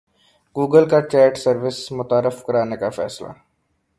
Google کا chat service متعارف کرانے کا فیصلہ